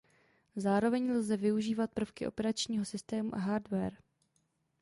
Zároveň lze využívat prvky operačního systému a hardware.